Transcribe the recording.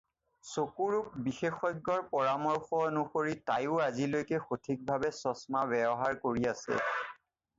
চকু ৰোগ বিশেষজ্ঞৰ পৰামৰ্শ অনুসৰি তায়ো আজিলৈকে সঠিকভাৱেই চছমা ব্যৱহাৰ কৰি আছে।